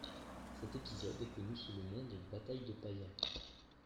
Cet épisode est connu sous le nom de bataille de Paya.